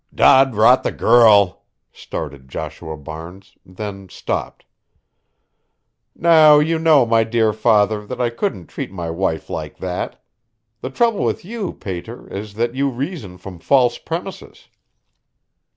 "Dod rot the girl," started Joshua Barnes, then stopped. "Now, you know, my dear father, that I couldn't treat my wife like that. The trouble with you, pater, is that you reason from false premises."